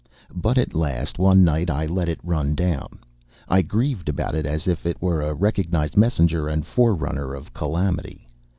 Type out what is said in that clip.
But at last, one night, I let it run down. I grieved about it as if it were a recognized messenger and forerunner of calamity.